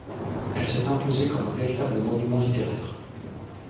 Elle s’est imposée comme un véritable monument littéraire.